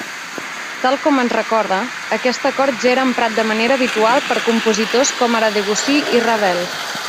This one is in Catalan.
Tal com ens recorda, aquest acord ja era emprat de manera habitual per compositors com ara Debussy i Ravel.